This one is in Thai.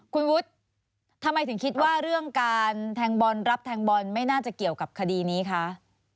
คุณวุฒิทำไมถึงคิดว่าเรื่องการแทงบอลรับแทงบอลไม่น่าจะเกี่ยวกับคดีนี้คะ